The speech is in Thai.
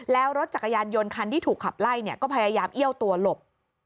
แล้วรถจักรยานยนต์คันที่ถูกขับไล่ก็พยายามเอี้ยวตัวหลบ